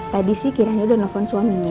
tadi sih kiranya udah nelfon suaminya